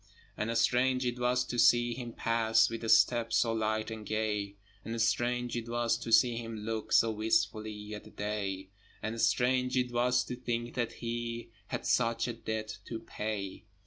And strange it was to see him pass With a step so light and gay, And strange it was to see him look So wistfully at the day, And strange it was to think that he Had such a debt to pay.